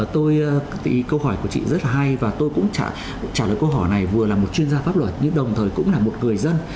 tôi tự ý câu hỏi của chị rất là hay và tôi cũng trả lời câu hỏi này vừa là một chuyên gia pháp luật nhưng đồng thời cũng là một người dân